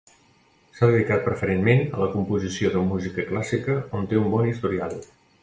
S'ha dedicat preferentment a la composició de música clàssica on té un bon historial.